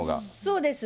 そうです。